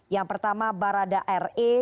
yang pertama barada re